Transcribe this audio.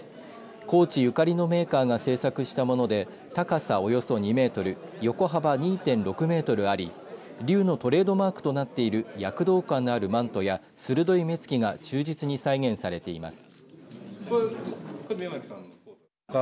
高知ゆかりのメーカーが制作したもので高さおよそ２メートル横幅２．６メートルあり竜のトレードマークとなっている躍動感のあるマントや鋭い目つきが忠実に再現されています。